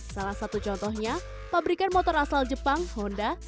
salah satu contohnya pabrikan motor asal jepang honda